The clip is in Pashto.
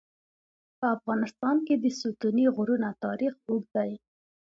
په افغانستان کې د ستوني غرونه تاریخ اوږد دی.